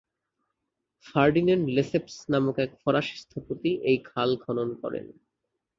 Ferdinand লেসেপ্স নামক এক ফরাসী স্থপতি এই খাল খনন করেন।